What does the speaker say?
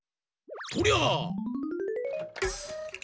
とりゃ！